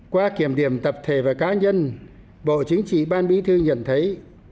trong quá trình kiểm điểm tập thể và cá nhân bộ chính trị ban bí thư nhận thấy